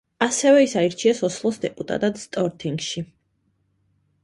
აგრეთვე ის აირჩიეს ოსლოს დეპუტატად სტორთინგში.